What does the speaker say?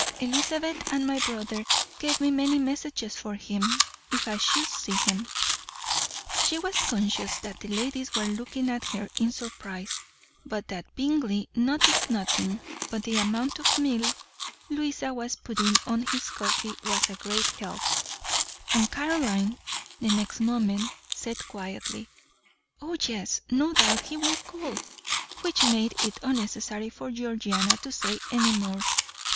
Elizabeth and my brother gave me many messages for him, if I should see him." She was conscious that the ladies were looking at her in surprise, but that Bingley noticed nothing but the amount of milk Louisa was putting in his coffee was a great help, and Caroline, the next moment, said quietly: "Oh, yes, no doubt he will call," which made it unnecessary for Georgiana to say any more.